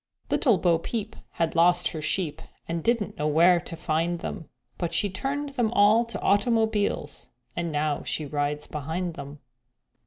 _Little Bo Peep had lost her sheep, And didn't know where to find them; But she turned them all to automobiles, And now she rides behind them.